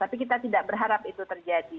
tapi kita tidak berharap itu terjadi